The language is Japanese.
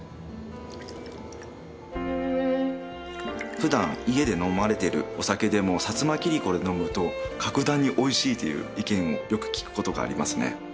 普段家で飲まれてるお酒でも薩摩切子で飲むと格段においしいという意見をよく聞くことがありますね